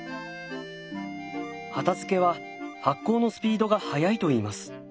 畑漬は発酵のスピードが速いといいます。